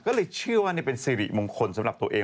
ก็เลยเชื่อว่านี่เป็นสิริมงคลสำหรับตัวเอง